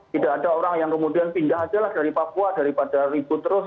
tidak ada orang yang kemudian pindah aja lah dari papua daripada ribut terus